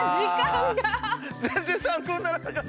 全然参考にならなかった！